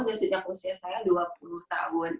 dan sejak usia saya dua puluh tahun